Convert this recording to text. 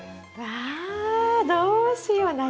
わどうしよう。